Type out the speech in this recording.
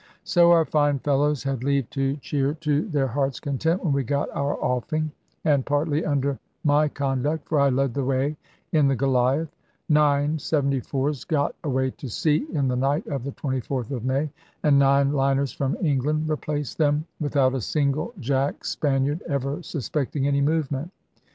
So our fine fellows had leave to cheer to their hearts' content when we got our offing; and partly under my conduct (for I led the way in the Goliath), nine seventy fours got away to sea in the night of the 24th of May, and nine liners from England replaced them, without a single Jack Spaniard ever suspecting any movement.